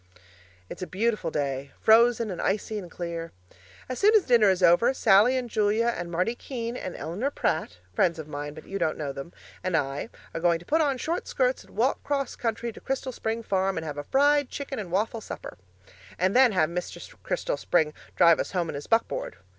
It's a beautiful day frozen and icy and clear. As soon as dinner is over, Sallie and Julia and Marty Keene and Eleanor Pratt (friends of mine, but you don't know them) and I are going to put on short skirts and walk 'cross country to Crystal Spring Farm and have a fried chicken and waffle supper, and then have Mr. Crystal Spring drive us home in his buckboard.